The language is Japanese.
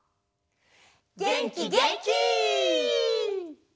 げんきげんき！